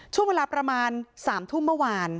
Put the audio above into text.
ช่วงเวลาประมาณ๓ทุ่มเมื่อวาน